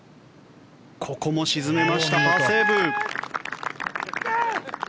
ここも沈めましたパーセーブ。